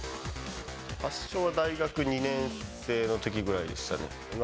発症は大学２年生のときぐらいでしたね。